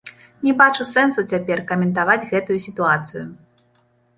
Не бачу сэнсу цяпер каментаваць гэтую сітуацыю.